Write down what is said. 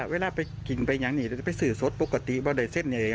เวลาไปกินไปอย่างนี้จะไปสื่อสดปกติบ้าได้เส้นเอง